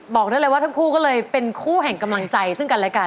บอกได้เลยว่าทั้งคู่ก็เลยเป็นคู่แห่งกำลังใจซึ่งกันและกัน